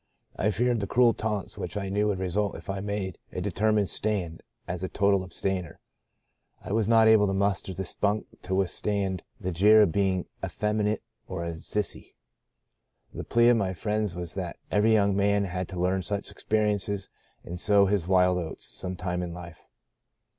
"I feared the cruel taunts which I knew would result if I made a determined stand as a total abstainer. I was not able to muster the spunk to withstand the jeer of being ' effeminate ' and a * sissy.' The plea of my friends was that every young man had to learn such experiences and * sow his wild oats ' some time in life.